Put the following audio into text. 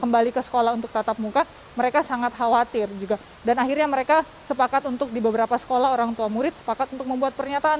bahkan ada beberapa sekolah yang mengatakan